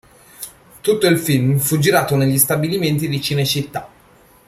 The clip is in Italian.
Tutto il film fu girato negli stabilimenti di Cinecittà.